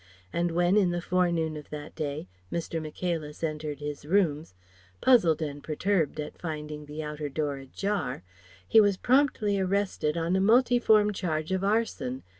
And when in the fore noon of that day, Mr. Michaelis entered his rooms, puzzled and perturbed at finding the outer door ajar, he was promptly arrested on a multiform charge of arson